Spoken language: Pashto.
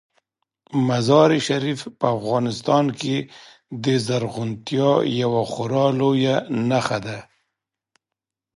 مزارشریف په افغانستان کې د زرغونتیا یوه خورا لویه نښه ده.